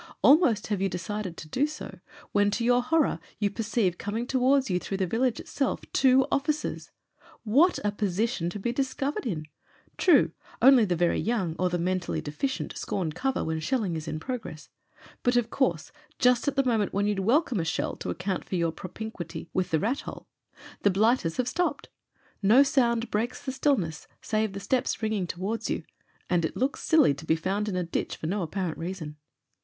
Almost have you de cided to do so when to your horror you perceive com ing towards you through the village itself two officers. What a position to be discovered in ! True, only the very young or the mentally deficient scorn cover when shelling is in progress. But of course, just at the moment when you'd welcome a shell to account for PROLOGUE xvu your propinquity with the rat hole, the blighters have stopped. No sound breaks the stillness, save the steps ringing towards you — ^and it looks silly to be found in a ditch for no apparent reason.